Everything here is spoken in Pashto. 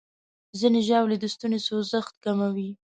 ځینې ژاولې د ستوني سوځښت کموي.